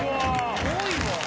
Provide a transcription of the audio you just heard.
すごいわ！